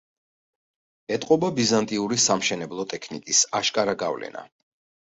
ეტყობა ბიზანტიური სამშენებლო ტექნიკის აშკარა გავლენა.